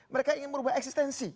mereka ingin mengubah eksistensi